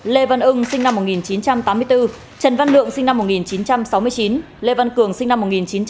lê văn ưng sinh năm một nghìn chín trăm tám mươi bốn trần văn lượng sinh năm một nghìn chín trăm sáu mươi chín lê văn cường sinh năm một nghìn chín trăm tám mươi